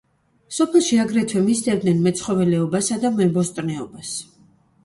სოფელში აგრეთვე მისდევდნენ მეცხოველეობასა და მებოსტნეობას.